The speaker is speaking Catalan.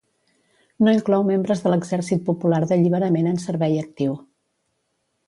No inclou membres de l'Exèrcit Popular d'Alliberament en servei actiu.